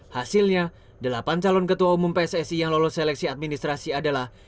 hasilnya delapan calon ketua umum pssi yang lolos seleksi administrasi adalah